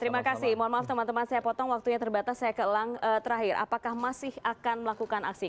terima kasih mohon maaf teman teman saya potong waktunya terbatas saya ke elang terakhir apakah masih akan melakukan aksi